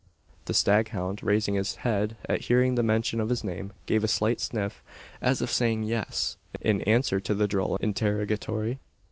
The staghound, raising his head at hearing the mention of his name, gave a slight sniff, as if saying "Yes" in answer to the droll interrogatory.